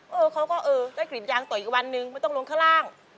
เออเขาก็เออได้กลิ่นยางต่ออีกวันนึงไม่ต้องลงข้างล่าง